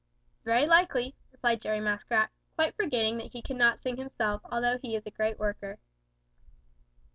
"Very likely," replied Jerry Muskrat, quite forgetting that he cannot sing himself although he is a great worker.